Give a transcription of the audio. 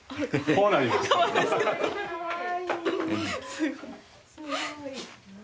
すごい。